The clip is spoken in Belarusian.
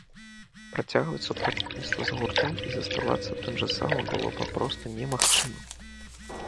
Працягваць супрацоўніцтва з гуртом і заставацца тым жа самым было папросту немагчыма!